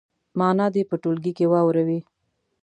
معنا دې په ټولګي کې واوروي.